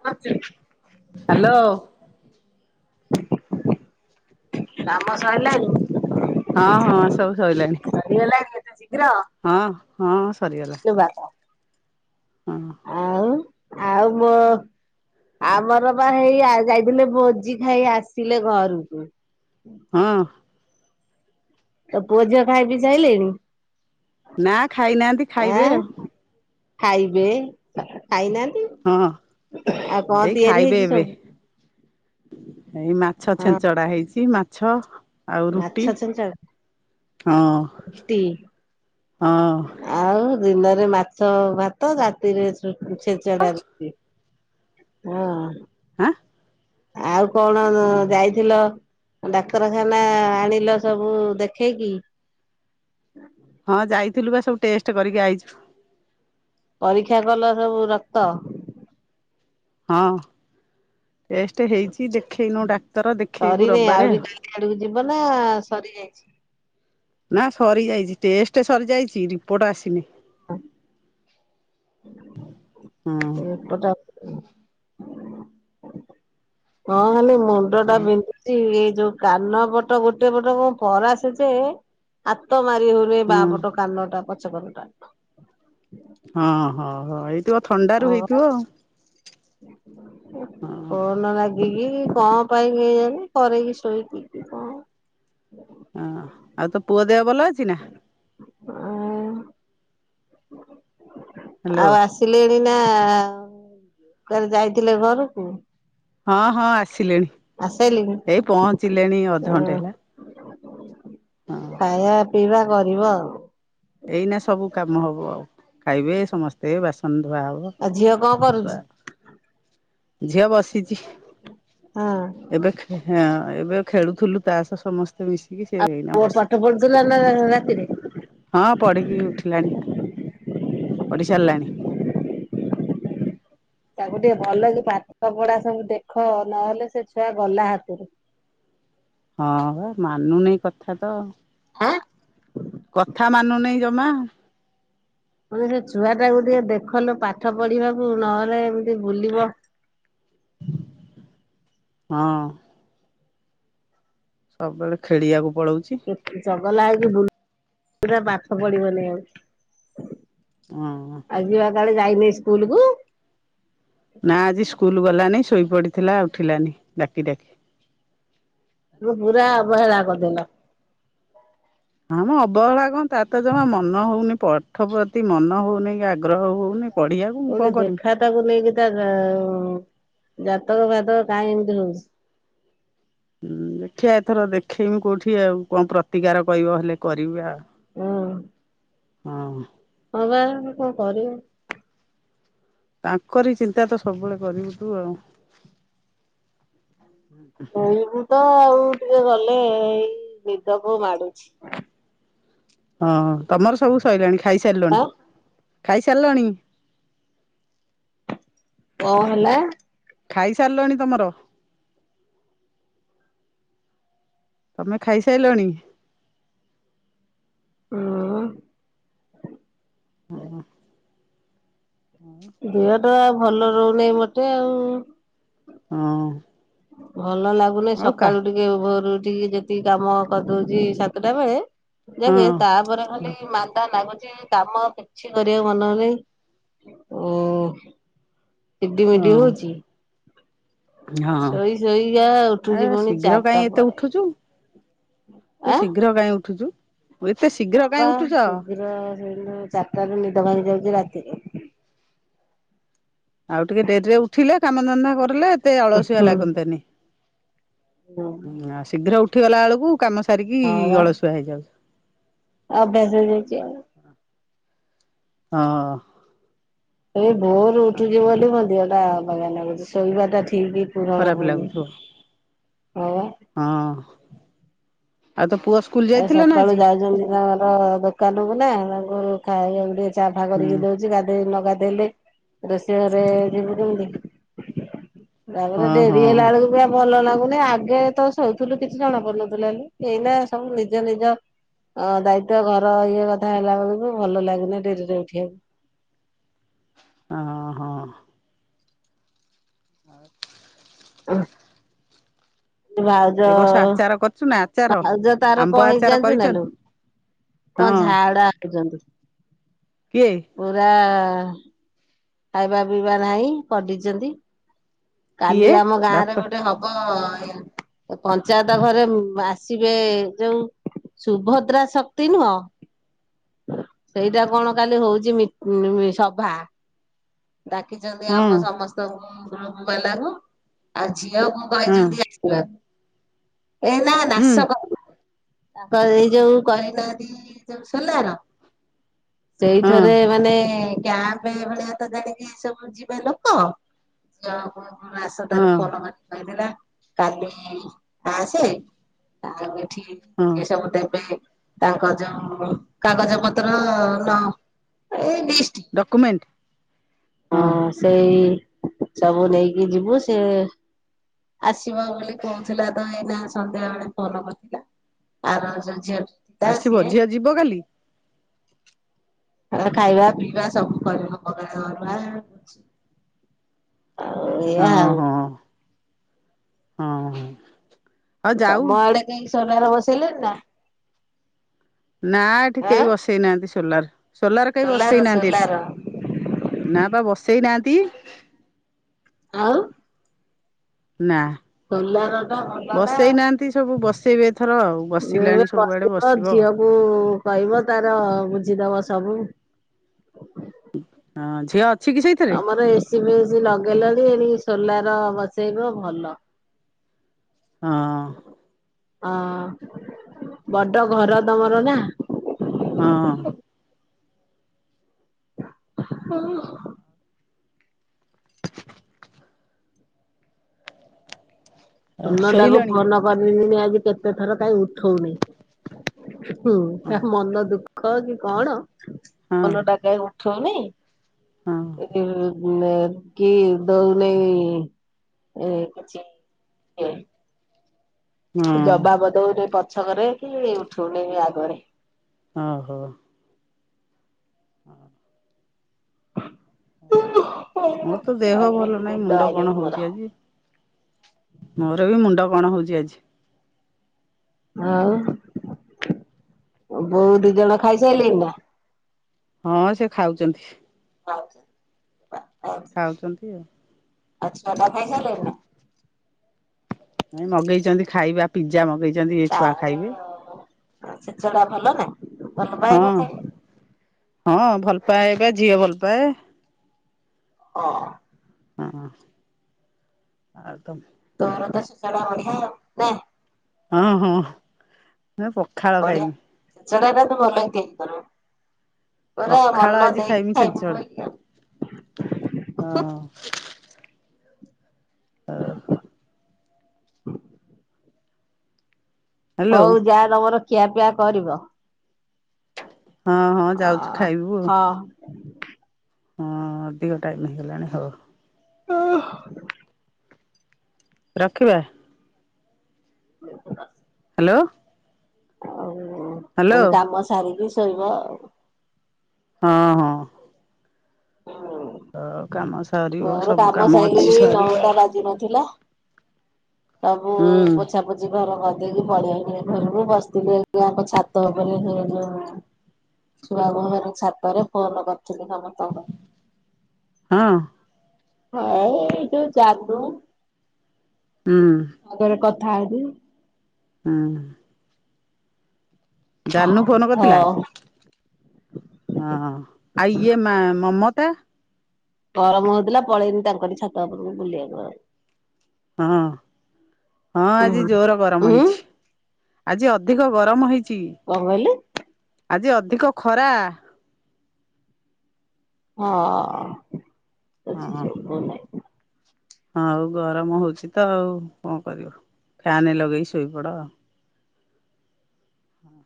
କାମ ହାଲୋ। କାମ ସଇଲାଣି? ହଁ ହଁ ସବୁ ସଇଲାଣି। ସରିଗଲାଣି ଏତେ ଶିଘ୍ର? ହଁ ହଁ ସରିଗଲା। [unintelligible] ହୁଁ। ଆଉ ଆଉ ମୋ ଆମର ବା ହେଇ ଯାଇଥିଲେ ଭୋଜି ଖାଇ ଆସିଲେ ଘରକୁ। ହଁ। ତୋ ପୁଅ ଝିଅ ଖାଇପିଇ ସାଇଲେଣି? ନା ଖାଇନାହାନ୍ତି ଆଁ ଖାଇବେ ଆଉ। ଖାଇବେ। ଖାଇନାହାନ୍ତି? ହଁ ଆଉ କଣ ଏଇ ତିଆରି ଖାଇବେ ହେଇଚି ଏବେ ସବୁ? ଏଇ ମାଛ ହଁ ଛେଞ୍ଚଡା ହେଇଚି, ମାଛ। ଆଉ ମାଛ ରୁଟି। ଛେଞ୍ଚେଡା ହଁ ରୁଟି ହଁ। ଆଉ ଦିନରେ ମାଛ ଭାତ। ରାତିରେ ଛେଞ୍ଚେଡା ରୁଟି। ହଁ। ଆଁ! ଆଉ କଣ ଯାଇଥିଲ ଡାକ୍ତରଖାନା ଆଣିଲ ସବୁ ଦେଖେଇକି। ହଁ ଯାଇଥିଲୁ ବା ସବୁ ଟେଷ୍ଟ କରିକି ଆଇଚୁ। ପରୀକ୍ଷା କଲ ସବୁ ରକ୍ତ? ହଁ ଟେଷ୍ଟ ହେଇଛି ଦେଖେଇନୁ ଡାକ୍ତର ଦେଖେଇବୁ ରବବାରେ ଆଉ। ହିଆଡକୁ ଯିବ ନା ସରିଯାଇଛି ନା ସରିଯାଇଛି ଟେଷ୍ଟ ସରିଯାଇଛି ରିପୋର୍ଟ ଆସିନି। ହଁ। ହଁ ରିପୋଟ ହଁ ଖାଲି ମୁଣ୍ଡ ଟା ହଁ ବିନ୍ଧୁ ସେ ଏ ଯୋଉ କାନ ପଟ ଗୋଟେ ପଟ କଣ ପରାସେ ଯେ ହାତ ମାରି ହଉନି ବା ହଁ ପଟ କାନଟା ପଛ କନଟା। ହଁ ହଁ ହଁ ହେଇଥିବ ଥଣ୍ଡାରୁ ହଁ ବା ହେଇଥିବ ଆଉ। ହଁ ଫୋନ ଲାଗିକି କଣ ପାଇଁ କେ ଜାଣି କରେଇକି ଶୋଇକି ହଁ ଆଉ ତୋ ପୁଅ ଦେହ ଭଲ ଅଛି ନା? ହ୍ୟାଲୋ ଆଉ ଆସ ଥିଲି ଏଇନା କୁଆଡେ ଯାଇଥିଲେ ଘରକୁ। ହଁ ହଁ ଆସିଲେଣି। ଆସାଇଲେଣି? ଏଇ ପହଞ୍ଚିଲେଣି ହଁ ଅଧଘଣ୍ଟେ ହେଲା ହଁ। ଖାଇବା ପିଇବା କରିବ ଆଉ। ଏଇନା ସବୁ କାମ ହବ ଆଉ ଖାଇବେ ସମସ୍ତେ ବାସନ ଧୁଆ ହବ। ଆଉ ଝିଅ କଣ ଶୁଆ କରୁଛି? ଝିଅ ବସିଛି। ହଁ ଏବେ ହଁ ଏବେ ଖେଳୁଥିଲୁ ତା ସହ ସମସ୍ତେ ମିଶିକି ସେ ଏଇନା ପୁଅ ପାଠ ବସିଛି। [unintelligible] ରାତିରେ। ହଁ ପଢ଼ିକି ଉଠିଲାଣି ପା ପଢ଼ି ସାରିଲାଣି। ତାକୁ ଟିକେ ଭଲ କି ପାଠ ପଢା ସବୁ ଦେଖ ନହେଲେ ସେ ଛୁଆ ଗଲା ହାତରୁ। ହଁ ବା ମାନୁନି କଥା ତ। ଆଁ କଥା ମାନୁନାଇଁ ଜମା। କହିଲି ସେ ଛୁଆ ଟାକୁ ଟିକେ ଦେଖଲୋ ପାଠ ପଢିବାକୁ ନହେଲେ ଏମିତି ବୁଲିବ। ହଁ। ସବୁବେଳେ ଖେଳିବାକୁ ପଳଉଛି। ଚଗଲା ହେଇକି ବୁଲ ପୁରା ପାଠ ପଢିବନି ଆଉ। ଅଁ ଅଁ। ଆଜି ବା କାଳେ ଯାଇନି ସ୍କୁଲୁ କୁ। ନା ଆଜି ସ୍କୁଲ ଗଲାନି ଶୋଇ ପଡିଥିଲା ଉଠିଲାନି ଡାକି ଡାକି। ମୁଁ ପୁରା ଅବହେଳା କରିଦେଲ। ନା ମ ଅବହେଳା କଣ ତାର ତ ଜମା ମନ ହଉନି ପାଠ ପ୍ରତି ମନ ହଉନି କି ଆଗ୍ରହ ହଉନି। ପଢିବାକୁ ମୁଁ କଣ କୋଉଠି କରିବି ଦେଖା ତାକୁ ନେଇକି ତା ଜାତକ ଫାତକ କାହିଁ ଏମିତି ହଉଛି। ହୁଁ ଦେଖିବା ଏଥର ଦେଖେଇବି କୋଉଠି ଆଉ କଣ ପ୍ରତିକାର କହିବ ହେଲେ କରିବି ଆଉ। ହଁ ହଁ। ହଁ ବା କଣ କରିବୁ। ତାଙ୍କରି ଚିନ୍ତା ତ ସବୁବେଳେ କରିବୁ ତୁ ଆଉ। କହିବୁ ତ ଆଉ ଟିକେ ଗଲେ ଏଇ ନିଦକୁ ମାଡୁଛି। ହଁ ତମର ସବୁ ସଇଲାଣି ଆ ଖାଇସାରିଲଣି ଖାଇସାରିଲଣି। କଁ ହେଲା? ଖାଇସାରିଲଣି ତମର? ତମେ ଖାଇସାଇଲଣି? ହୁଁ ହୁଁ ଉଂ। ହୁଁ। ଦେହ ଟା ଭଲ ରହୁନି ମୋଟେ ଆଉ। ହଁ। ଭଲ ଲାଗୁନି ଆଉ କା ସକାଳୁ ଟିକେ ଭୋରୁ ଉଠିକି ଯେତିକି କାମ କରିଦଉଛି ସାତଟା ବେଳେ ଦେଖ ହଁ। ତାପରେ ଖାଲି ମାନ୍ଦା ଲାଗୁଛି। କାମ କିଛି କରିବାକୁ ମନ ହଉନି ଉଁ ଚିଡିମିଡି ହଁ ହଉଛି ହଁ ଶୋଇ ଶୋଇକା ଉଠୁଛି ଆ ପୁଣି ଶୀଘ୍ର ଚାରିଟା କାଇଁ ଏତେ ପରେ ଉଠୁଛୁ। ଏ ଆଁ। ଶୀଘ୍ର କାଇଁ ଉଠୁଛୁ? ଏତେ ଶୀଘ୍ର ହଁ କାହିଁ ବା ଉଠୁଛ? ଶୀଘ୍ର ସେନ ଚାରିଟାରୁ ନିଦ ଭାଙ୍ଗି ଯାଉଛି ରାତିରେ। ଆଉ ଟିକେ ଡେରିରେ ଉଠିଲେ କାମଧନ୍ଦା କରିଲେ ଏତେ ଅଳସୁଆ ଲାଗନ୍ତାନି ହୁଁ। ଉଁ ଶୀଘ୍ର ଉଠିଗଲା ବେଳକୁ କାମ ସାରିକି ହଁ ବା ଅଳସୁଆ ହେଇଯାଉଛି। ଅଭ୍ୟାସ ହେଇଯାଇଛି ଆଉ। ହଁ। ଏ ଭୋର ଉଠୁଛି ବୋଲି ମୋ ଦେହ ଟା ଅବାଗିଆ ଲାଗୁଛି ଶୋଇବା ଟା ଠିକ୍ ଖରାପ ଲାଗୁଥିବ ହଁ। ଆଉ ତୋ ପୁଅ ସୁ ଆ ସକାଳୁ ଯାଉଛନ୍ତି ତାଙ୍କର ଦୋକାନ କୁ ନା ତାଙ୍କର ଖାଇବାକୁ ଦେ ଚା ଫା ହୁଁ କରିକି ଦଉଛି ଗାଧେଇ ନଗାଧେଇଲେ ରୋଷେଇ ଘରେ ଯିବୁ କେମିତି। ହଁ ତାପରେ ଡେରି ହଁ ହେଲା ବେଳକୁ ବି ଭଲ ଲାଗୁନି ଆଗେ ତ ଶୋଉଥିଲୁ କିଛି ଜଣା ପଡନଥିଲା ଲୋ ଏଇନା ସବୁ ନିଜ ନିଜ ହଁ ଦାୟିତ୍ୱ ଘର ଇଏ କଥା ହେଲା ବେଳକୁ ଭଲ ଲାଗୁନି ଡେରିରେ ଉଠିବାକୁ। ଆଁ ହଁ ହଁ। ଆ [inaudible] ଭାଉଜ ଏ ବର୍ଷ ଆଚାର କରିଛୁ ନା ଆଚାର? ଭାଉଜ ତାର ଆମ୍ବ କଣ ହେଇଛି ଆଚାର ଜାଣିଛୁ ନା କରିଛନ୍ ଲୋ? କଣ ହଁ ଝାଡା ହେଇଛନ୍ତି। କିଏ? ପୁରା ଖାଇବା ପିଇବା ନାହିଁ ପଡିଛନ୍ତି। କାଲି କିଏ ଆମ ଗାଁରେ ବାପା ଗୋଟେ ହବ ପଞ୍ଚାୟତ ଘରେ ଆସି ଆସିବେ ଯୋଉ ସୁଭଦ୍ରା ଶକ୍ତି ନୁହଁ ସେଇଟା କଣ କାଲି ହଉଛି ମି ସଭା ଡାକିଛନ୍ତି ହଁ ଆମ ସମସ୍ତଙ୍କୁ ଗ୍ରୁପବାଲାଙ୍କୁ। ଆଉ ଝିଅକୁ ହଁ କହିଛନ୍ତି ଆସିବାକୁ ଏ ନା ହୁଁ ନାଶ ତାଙ୍କର ଏଇ ଯୋଉ କରିନାହାନ୍ତି ଯୋଉ ସୋଲାର ହଁ ସେଇଥିରେ ମାନେ କ୍ୟାମ୍ପ ଭଳିଆ ତ ଜାଣିକି ଏ ସବୁ ଯିବେ ଲୋକ ଝିଅ ଆସ ତାର ହଁ ଫୋନ କରିିକି କହିଥିଲା କାଦଲି ଆସେ ତାପ ଏଠିକି। ହଁ। ସବୁ ଦେବେ ତାଙ୍କ ଯୋଉ କାଗଜ ପତ୍ର ନ ଏଇ ଲିଷ୍ଟ ଡକ୍ୟୁମେଣ୍ଟ ହଁ ସେଇ ସବୁ ନେଇକି ଯିବୁ ସେ ଆସିବ ବୋଲି କହୁଥିଲା ତ ଏଇନା ସନ୍ଧ୍ୟା ବେଳେ ଫୋନ କରିଥିଲା। ଆର ଅଜା ଝିଅଟେ ତ ଆସିବ ସିଏ ଝିଅ ଯିବ କାଲି? ଖାଇବା ପିଇବା ସବୁ କରିବା [unintelligible] ହଁ ଆଉ ହଁ ହଁ ହଁ। ହଉ ଯାଉ ତମ ଆଡେ କେହି ସୋଲାର ବସେଇଲେଣି ନା? ନା ଏଠି ଆଁ କେହି ବସେଇ ନାହାନ୍ତି ସୋଲାର। ସୋଲାର କେହି ବସେଇ ନାହାନ୍ତି ଏଠି। ନା ପା ବସେଇ ନାହାନ୍ତି। ଆଉ? ନା। ସୋଲାର ଟା ଭଲ ନା। ବସେଇନାହାନ୍ତି ସବୁ ବସେଇବେ ଏଥର। ଆଉ ବସିଲାଣି ସବୁଆଡେ ବସିବ। ହୁ କହିବ ତାର ବୁଝିଦବା ସବୁ। ହଁ ଝିଅ ଅଛି କି ସେଇଥିରେ ଆମର ଏସିି ବି ଏସିି ଲଗେଇଲାଣି ଏଣି ସୋଲାର ବସେଇବ ଭଲ। ହଁ। ହଁ ବଡ ଘର ତମର ନା। ହଁ। [inaudible] [inaudible] ଆଉ ସୁନନ୍ଦା କୁ ଶୋଇଲାଣି ଫୋନ କରିିଥିଲି। ଆଜି କେତେ ଥର କାହିଁ ଉଠଉନି? ହୁଁ ହଁ ତା ମନ ଦୁଃଖ କି କଣ, ହଁ ମନଟା କାଇଁ ଉଠଉନାଇ? ହଁ। ଉଁ କି ଦଉନାହିଁ ଏଁ କିଛି। ଏ ଜବାବ ଦଉନି ପଛକରେ କି ଉଠଉନି ଆଗରେ। ଓହୋ। ହ। ହ ମୋର ତ ଦେହ ଭଲ ଆଇଲାଣି ନାହିଁ ନିଦ ମୁଣ୍ଡ ଆଇଲାଣି କଣ ମୋର। ହଉଚି ଆଜି। ମୋର ବି ମୁଣ୍ଡ କଣ ହଉଚି ଆଜି। ଆଉ ବୋଉ ଦି ଜଣ ଖାଇସାରିଲେଣି ନା? ହଁ ସେ ଖାଉଚନ୍ତି। ହଉ ଆ ଆ ଖାଉଚନ୍ତି ଆଉ। ଆଉ ଛୁଆ ପୁଆ ଖାଇସାରିଲେଣି ନା? ନାଇ ମଗେଇଚନ୍ତି ଖାଇବା, ପିଜା ମଗେଇଚନ୍ତି ଛୁଆ ଖାଇବେ। ଆ ଛେଚଡା ଭଲ ନା ଭଲ ହଁ ପାଇନଥାଏ। ହଁ ଭଲ ପାଏ ବା ଝିଅ ଭଲ ପାଏ। ହଁ। ହଁ ଆଉ ତମେ ତର ଦ ସେ ସରେ ଅନ କ। ହଁ ହଁ ନା ପ ବଢିଆ ସେ ଛେଚଡା ତୁ ଭଲ ଠିକ୍ କରୁ। ପୁରା ପଖାଳ ମନ ଆଜି ଖାଇମି ଦେଇକି ଛେଞ୍ଚଡା [unintelligible] ହଁ। ଆ ହୁଁ ହ୍ୟାଲୋ ହଉ ଯାଅ ତମର ଖିଆପିଆ କରିବ। ହଁ ହଁ ଅ ଯାଉଚୁ ଖାଇବୁ ହଁ ଆଉ। ହଁ ଅଧିକ ଟାଇମ୍ ହେଇଗଲାଣି ହଉ। ଓ ରଖିବା। [inaudible] ହାଲୋ। ହଉ ପୁଣି କାମ ସାରିକି ଶୋଇବ ଆଉ। ହଁ ହଁ। ଅ କାମ ସରିବ ସବୁ କାମ ଅଛି ସରିବ। ଦିନଥିଲା ସବୁ ହୁଁ ପୋଛା ପୋଛ ଆଜି ଘର କରିଦେଇକି [unintelligible] ଘରକୁ ବସିଥିଲିଙ୍କ ଛାତ ଉପରେ ସେ ଯୋଉ ଛୁଆ [unintelligible] ଛାତରେ ଫୋନ କରିଥିଲି ସମସ୍ତଙ୍କୁ। ହଁ। ହଁ ଏଇ ଯଉ ଯାଦୁ ହୁଁ। ମୁଁ ଘରେ କଥା ହେବି। ହୁଁ। ଜାନୁ ଫୋନ କରିଥିଲା? ହଁ ହଁ ଆଉ ଇଏ ମା-ମମତା? ଗରମ ହଉଥିଲା ପଳେଇଲି ତାଙ୍କରି ଛାତ ଉପରକୁ ବୁଲିବାକୁ ଆଉ। ହଁ- ହଁ ଆଜି ଉଁ ଜୋର ଗରମ ଉଁ ହେଇଚି। ଆଜି ଅଧିକ ଗରମ ହେଇଚି। କଣ୍ କହିଲେ? ଆଜି ଅଧିକ ଖରା ହଁ ସେ ଶୁବୁ ନାହିଁ। ହଁ ଆଉ ଗରମ ହଉଚି ତ ଆଉ କଣ କରିବ ଫ୍ୟାନ୍ ଲଗେଇ ଶୋଇପଡ ଆଉ। ହଁ